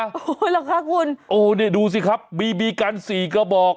โอ้โหเหรอคะคุณโอ้เนี่ยดูสิครับบีบีกันสี่กระบอก